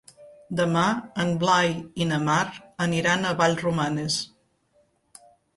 Demà en Blai i na Mar aniran a Vallromanes.